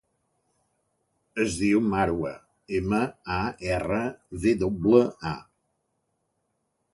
Es diu Marwa: ema, a, erra, ve doble, a.